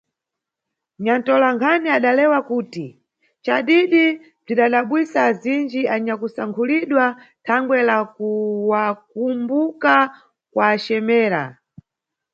Nyantolankhani adalewa kuti ncadidi bzwidadabwisa azindji anyakusankhulidwa "thangwe la kuwakumbuka kuwacemera".